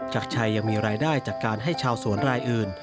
จักรชัยยังมีรายได้จากการให้ชาวสวนรายอื่น